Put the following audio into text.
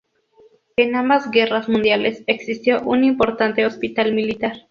En ambas guerras mundiales existió un importante hospital militar.